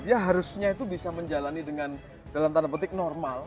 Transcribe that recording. dia harusnya itu bisa menjalani dengan dalam tanda petik normal